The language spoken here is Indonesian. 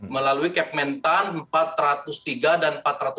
melalui kementan empat ratus tiga dan empat ratus empat dua ribu dua